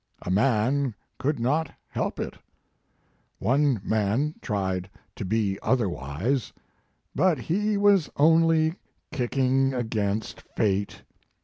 A man could not help it. One man tried to be otherwise, but be was only kicking against fate.